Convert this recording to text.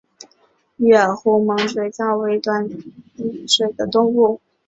鱼饵湖角猛水蚤为短角猛水蚤科湖角猛水蚤属的动物。